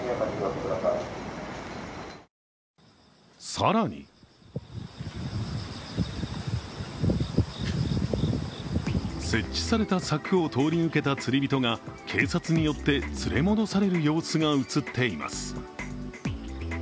更に設置された柵を通り抜けた釣り人が警察によって連れ戻される様子が映っています。